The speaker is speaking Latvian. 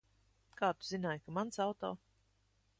Kā tu zināji, ka mans auto?